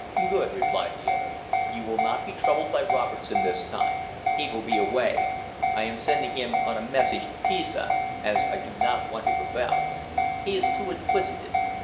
"Good," replied the other. "You will not be troubled by Robertson this time. He will be away. I am sending him on a message to Pisa, as I do not want him about; he is too inquisitive.